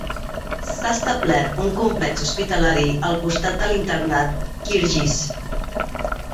S"ha establert un complex hospitalari al costat de l"internat Kyrgyz.